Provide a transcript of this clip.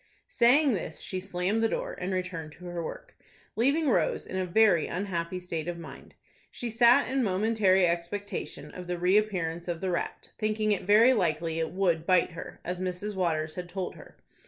Saying this, she slammed the door, and returned to her work, leaving Rose in a very unhappy state of mind. She sat in momentary expectation of the reappearance of the rat, thinking it very likely it would bite her, as Mrs. Waters had told her.